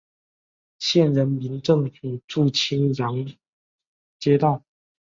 县人民政府驻青阳街道。